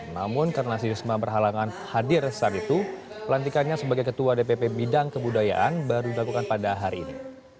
namun karena si risma berhalangan hadir saat itu pelantikannya sebagai ketua dpp bidang kebudayaan baru dilakukan pada hari ini